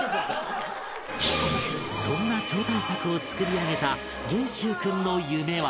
そんな超大作を作り上げた元秀君の夢は？